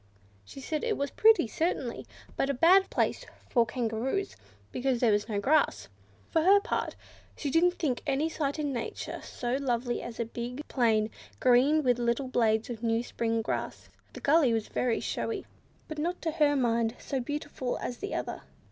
She said it was pretty, certainly, but a bad place for Kangaroos, because there was no grass. For her part, she didn't think any sight in nature so lovely as a big plain, green with the little blades of new spring grass. The gully was very showy, but not to her mind so beautiful as the other.